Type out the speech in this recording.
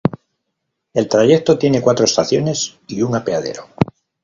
El trayecto tiene cuatro estaciones y un apeadero.